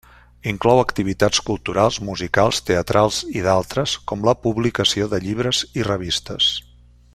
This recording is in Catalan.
Inclou activitats culturals musicals, teatrals i d'altres com la publicació de llibres i revistes.